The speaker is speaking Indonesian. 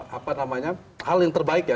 hal yang terbaik ya